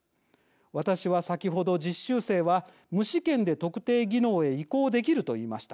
私は先ほど、実習生は無試験で特定技能へ移行できると言いました。